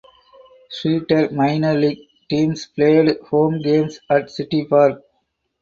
Streator minor league teams played home games at City Park.